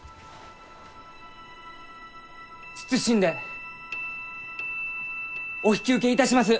謹んでお引き受けいたします！